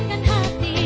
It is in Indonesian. kuyakin kau tahu